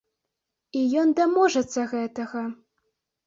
І ён даможацца гэтага.